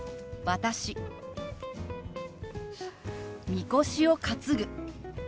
「みこしを担ぐ」。